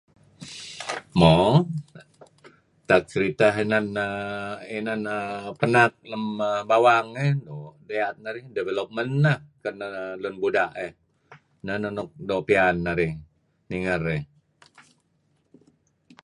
(Turning page) Mo tak seriteh inan uhm penak lem bawang ngi doo' piyan narih development neh ken lun buda'. Neh neh nuk doo' pian narih ninger iih.